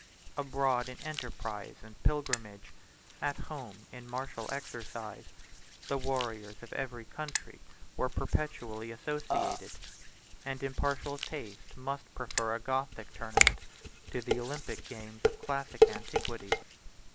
Abroad in enterprise and pilgrimage, at home in martial exercise, the warriors of every country were perpetually associated; and impartial taste must prefer a Gothic tournament to the Olympic games of classic antiquity.